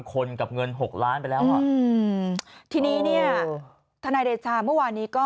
๓คนกับเงิน๖ล้านไปแล้วที่นี่เนี่ยธนาฬิชาเมื่อวานนี้ก็